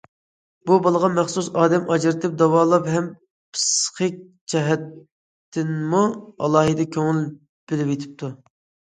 بۇ بالىغا مەخسۇس ئادەم ئاجرىتىپ داۋالاپ ھەم پىسخىك جەھەتتىنمۇ ئالاھىدە كۆڭۈل بۆلىۋېتىپتۇ.